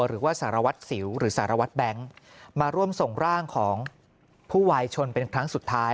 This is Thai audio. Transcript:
หรือว่าสารวัตรสิวหรือสารวัตรแบงค์มาร่วมส่งร่างของผู้วายชนเป็นครั้งสุดท้าย